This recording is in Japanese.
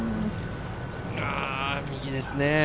右ですね。